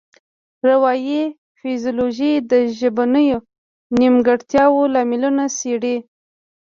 اروايي فزیولوژي د ژبنیو نیمګړتیاوو لاملونه څیړي